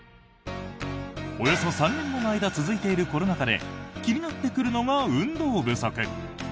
およそ３年もの間続いているコロナ禍で気になってくるのが運動不足。